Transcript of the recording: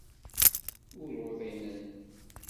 Ur uḍinen.